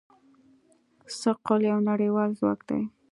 ثقل یو نړیوال ځواک دی.